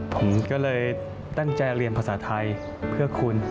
ผมก็เลยตั้งใจเรียนภาษาไทยเพื่อคุณ